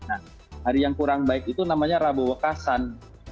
nah hari yang kurang baik itu namanya rabo wekasan